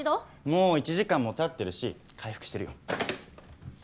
もう１時間もたってるし回復してるよ。